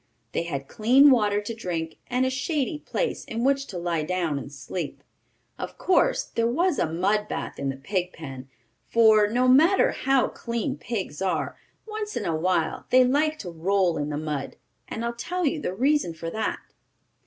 They had clean water to drink, and a shady place in which to lie down and sleep. Of course there was a mud bath in the pig pen, for, no matter how clean pigs are, once in a while they like to roll in the mud. And I'll tell you the reason for that.